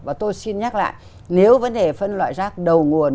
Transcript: và tôi xin nhắc lại nếu vấn đề phân loại rác đầu nguồn